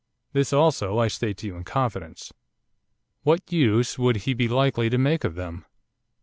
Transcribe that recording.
This, also, I state to you in confidence.' 'What use would he be likely to make of them?